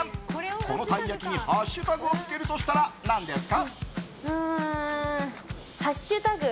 このたい焼きにハッシュタグをつけるとしたら何ですか？